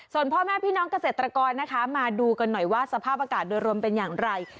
ส่วนพ่อแม่พี่น้องเกษตรกรนะคะมาดูกันหน่อยว่าสภาพอากาศโดยรวมเป็นอย่างไร